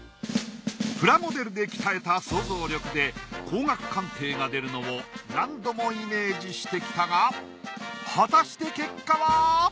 プラモデルで鍛えた想像力で高額鑑定が出るのを何度もイメージしてきたが果たして結果は！？